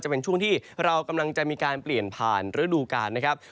จะเป็นช่วงที่เรากำลังจะมีการเปลี่ยนผ่านฤดูกาลนะครับ